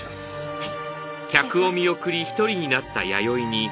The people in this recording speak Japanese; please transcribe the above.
はい。